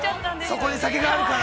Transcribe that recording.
◆そこに酒があるから。